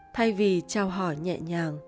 thay vì chào hỏi nhẹ nhàng